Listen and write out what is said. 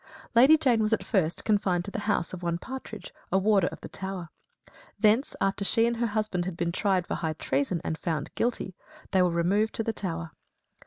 Lady Jane was at first confined in the house of one Partridge, a warder of the Tower. Thence, after she and her husband had been tried for high treason and found guilty, they were removed to the Tower.